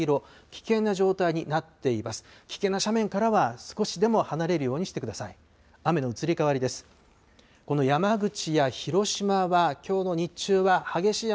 危険な斜面からは少しでも離れるようにしてください。